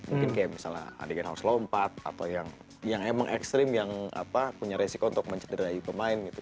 mungkin kayak misalnya adegan harus lompat atau yang emang ekstrim yang punya resiko untuk mencederai pemain gitu